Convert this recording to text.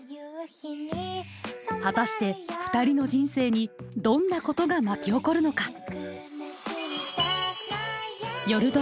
果たしてふたりの人生にどんなことが巻き起こるのか！